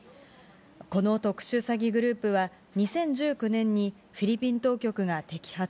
この特殊詐欺グループは、２０１９年にフィリピン当局が摘発。